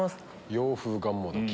洋風がんもどき。